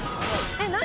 えっ！何？